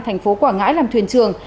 tp quảng ngãi làm thuyền trường